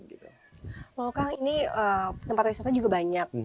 kalau kang ini tempat wisata juga banyak